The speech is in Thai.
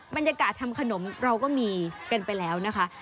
บรรยากาศทำขนมเราก็มีกันไปแล้วนะคะ